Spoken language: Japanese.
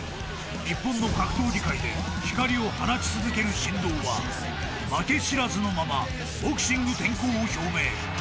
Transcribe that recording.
［日本の格闘技界で光を放ち続ける神童は負け知らずのままボクシング転向を表明］